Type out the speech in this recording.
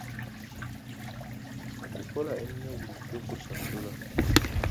Okukola ennyo bulijjo kusasula.